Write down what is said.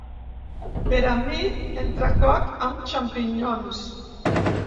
Per a mi entrecot amb xampinyons.